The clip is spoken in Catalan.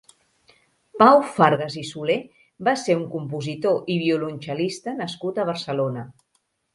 Pau Fargas i Soler va ser un compositor i violoncel·lista nascut a Barcelona.